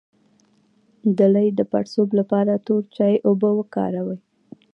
د لۍ د پړسوب لپاره د تور چای اوبه وکاروئ